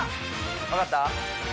わかった？